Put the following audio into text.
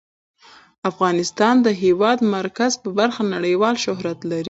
افغانستان د د هېواد مرکز په برخه کې نړیوال شهرت لري.